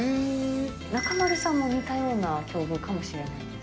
中丸さんも似たような境遇かもしれないです。